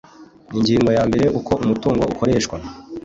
Ingingo yambere Uko Umutungo ukoreshwa